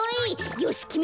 よしきめた。